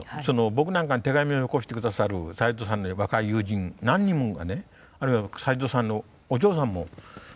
僕なんかに手紙をよこしてくださるサイードさんの若い友人何人もがねあるいはサイードさんのお嬢さんも奧さんもですね